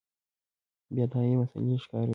بيا د هغې مسئلې ښکار وي